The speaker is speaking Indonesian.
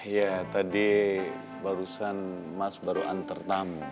ya tadi barusan mas baru antar tamu